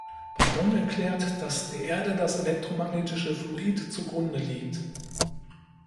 Bardon erklärt, dass der Erde das elektromagnetische Fluid zugrunde liegt.